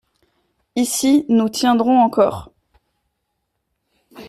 Ici, nous tiendrons encore.